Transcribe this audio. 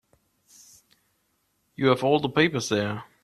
You have all the papers there.